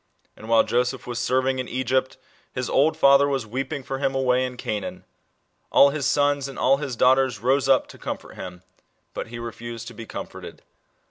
And while Joseph was serving in Egypt his old father was weeping for him away in Canaan. "All his sons and all his daughters rose* up to comfort him ; but he refused to be com forted."